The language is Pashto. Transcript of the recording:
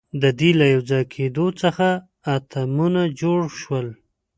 د دې له یوځای کېدو څخه اتمونه جوړ شول.